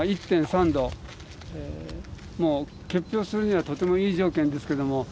もう結氷するにはとてもいい条件ですけども。